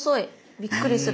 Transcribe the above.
びっくりする。